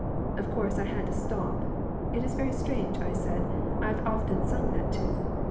Of course I had to stop. 'It is very strange,' I said, 'I have often sung that tune.'